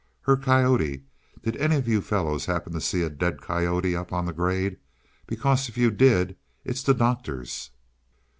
"HER COYOTE. Did any of you fellows happen to see a dead coyote up on the grade? Because if you did, it's the doctor's."